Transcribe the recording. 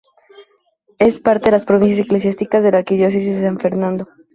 Es parte de las provincias eclesiásticas de la Arquidiócesis de San Fernando.